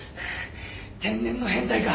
天然の変態か？